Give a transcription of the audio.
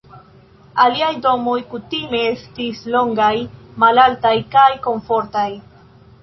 Iliaj domoj kutime estis longaj, malaltaj kaj komfortaj.